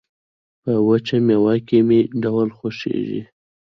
په وچه مېوه کې مې ډول خوښيږي